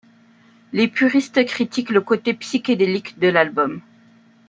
Les puristes critiquent le côté psychédélique de l'album.